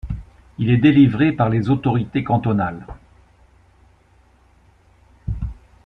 Il est délivré par les autorités cantonales.